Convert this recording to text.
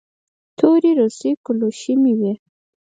تورې روسۍ کلوشې مې وې.